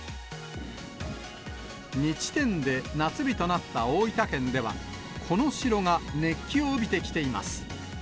２地点で夏日となった大分県では、この城が熱気を帯びてきています。